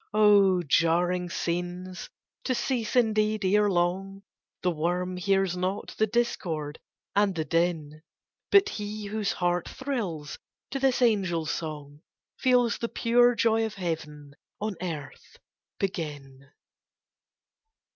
Oh, jarring scenes! to cease, indeed, ere long; The worm hears not the discord and the din; But he whose heart thrills to this angel song, Feels the pure joy of heaven on earth begin!